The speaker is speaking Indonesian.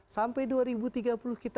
sampai dua ribu tiga puluh kita